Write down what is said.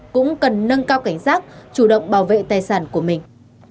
cũng cần nâng cao cảnh giác chủ động bảo vệ tài sản của mình